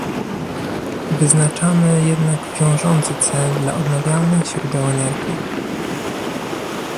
Wyznaczamy jednak wiążący cel dla odnawialnych źródeł energii